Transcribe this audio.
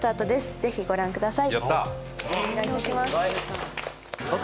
ぜひご覧ください。